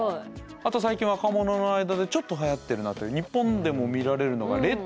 あと最近若者の間でちょっとはやってるなという日本でも見られるのがＲＥＤ。